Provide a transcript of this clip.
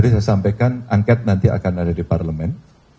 tadi saya sampaikan angket nanti akan ada di parlemen